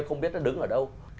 không biết nó đứng ở đâu